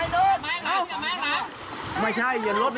ไหว้เอาไงจับเครื่องไว้